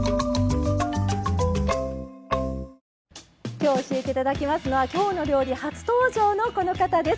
今日教えていただきますのは「きょうの料理」初登場のこの方です。